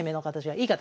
はい。